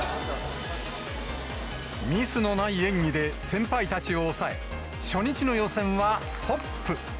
ミスのない演技で先輩たちを抑え、初日の予選はトップ。